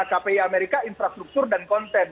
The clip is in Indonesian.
kpi amerika infrastruktur dan konten